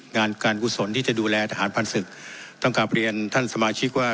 งานการกุศลที่จะดูแลทหารพันธ์ศึกต้องกลับเรียนท่านสมาชิกว่า